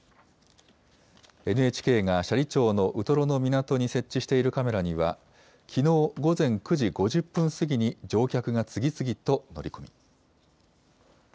ＮＨＫが斜里町のウトロの港に設置しているカメラには、きのう午前９時５０分過ぎに乗客が次々と乗り込み。